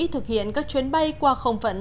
thực hiện các chuyến bay qua không phận